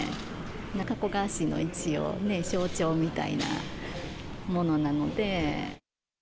加古川市の一応、象徴みたいなものなので。